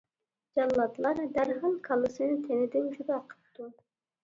جاللاتلار دەرھال كاللىسىنى تېنىدىن جۇدا قىپتۇ.